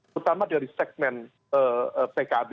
pertama dari segmen pkb